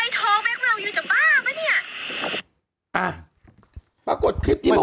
ยูคิดอะไรของยูอยู่อ่ะ